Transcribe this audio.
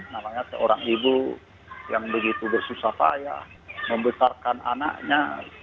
namanya seorang ibu yang begitu bersusah payah membesarkan anaknya